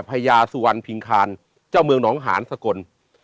พญาสุวรรณพิงคารเจ้าเมืองหนองหานสกล